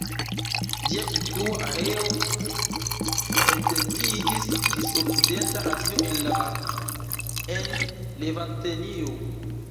Ĝia influa areo etendiĝis ĝis Okcidenta Azio en Levantenio.